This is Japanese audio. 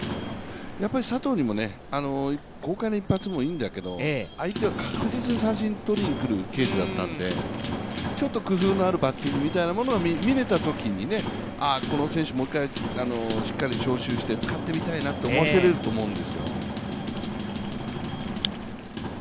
やっぱり佐藤、豪快な一発もいいんだけど相手が確実に三振を取りにくるケースだったのでちょっと工夫のあるバッティングっていうのが見れたのでこの選手もしっかり招集して使ってみたいと思わせると思うんですよね。